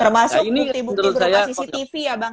termasuk di grup grup cctv ya bang ya